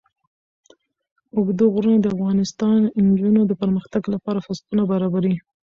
اوږده غرونه د افغان نجونو د پرمختګ لپاره فرصتونه برابروي.